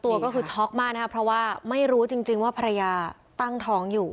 ตัวก็คือช็อกมากนะครับเพราะว่าไม่รู้จริงว่าภรรยาตั้งท้องอยู่